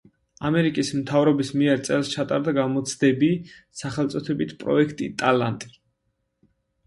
ამერიკის მთავრობის მიერ წელს ჩატარდა გამოცდები სახელწოდებით „პროექტი ტალანტი“.